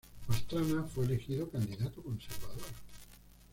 Pastrana fue elegido candidato conservador.